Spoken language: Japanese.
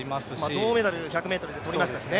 銅メダル１００ｍでとりましたしね。